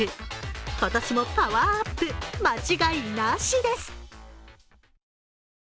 今年もパワーアップ間違いなしです！